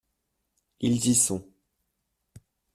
Ils y sont.